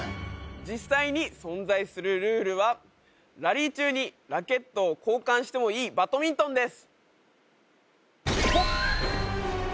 実際に存在するルールはラリー中にラケットを交換してもいいバドミントンです